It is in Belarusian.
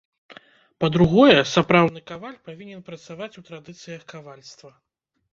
Па-другое, сапраўдны каваль павінен працаваць у традыцыях кавальства.